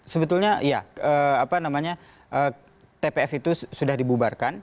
sebetulnya ya tpf itu sudah dibubarkan